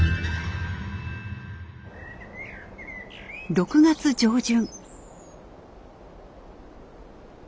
６月上旬。